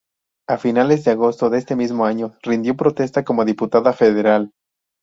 A finales de agosto de ese mismo año rindió protesta como Diputada Federal.